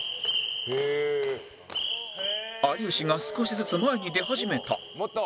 有吉が少しずつ前に出始めた